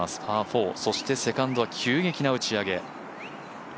パー４、そしてセカンドは急激な打ち上げ。